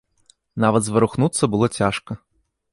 Нават зварухнуцца было цяжка.